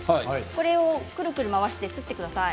これをくるくる回してすってください。